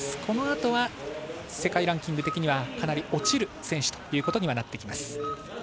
このあとは世界ランキング的にはかなり落ちる選手となってきます。